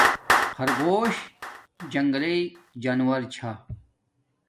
خرگوش جنگل جانورو چھا